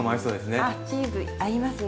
あっチーズ合いますね。